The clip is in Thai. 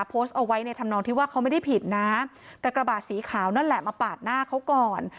โพสต์เอาไว้ในธรรมนองที่ว่าเขาไม่ได้ผิดนะแต่กระบาดสีขาวนั่นแหละมาปาดหน้าเขาก่อน